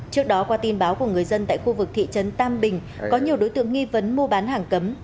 trước đó qua tin báo của người dân tại khu vực thị trấn tam bình có nhiều đối tượng nghi vấn mua bán hàng cấm